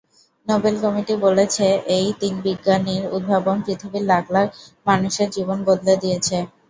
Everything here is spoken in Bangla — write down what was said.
নোবেল কমিটি বলেছে, এই তিন বিজ্ঞানীর উদ্ভাবন পৃথিবীর লাখ লাখ মানুষের জীবন বদলে দিয়েছে।